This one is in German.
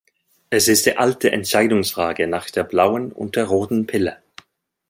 Es ist die alte Entscheidungsfrage nach der blauen und der roten Pille.